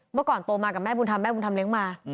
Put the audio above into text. เมื่อก่อนโตมากับแม่บุญธรรมแม่บุญธรรมเลี้ยงมา